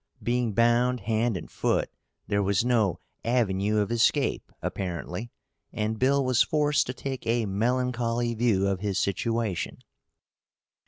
Being bound hand and foot there was no avenue of escape, apparently, and Bill was forced to take a melancholy view of his situation.